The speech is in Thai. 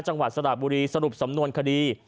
จังหวัดสระบุรีสรุปสำนวนคดี